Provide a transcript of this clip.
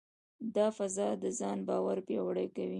دا فضا د ځان باور پیاوړې کوي.